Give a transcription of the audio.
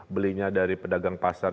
belinya dari pedagang pasar